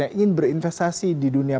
yang ingin berinvestasi di dunia